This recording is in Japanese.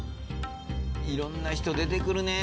いろんな人出てくるねぇ。